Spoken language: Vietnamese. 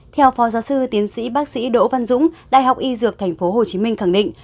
theo phó giáo sư tiến sĩ bác sĩ đỗ văn dũng đại học y dược tp hcm khẳng định